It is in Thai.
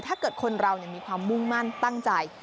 ถ้าเกิดคนเรามีความมุ่งมั่นตั้งใจ